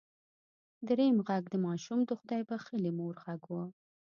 دريم غږ د ماشوم د خدای بښلې مور غږ و.